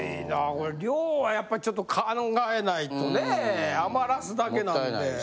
これ量はやっぱりちょっと考えないとねぇ余らすだけなんで。